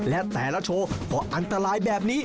และแต่ละโชว์ก็อันตรายแบบนี้